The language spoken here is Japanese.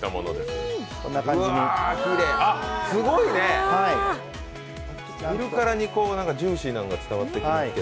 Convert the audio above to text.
すごいね、見るからにジューシーなんが伝わってきます。